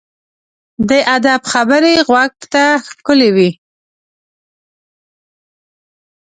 د ادب خبرې غوږ ته ښکلي وي.